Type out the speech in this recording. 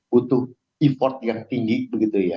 butuh effort yang tinggi begitu ya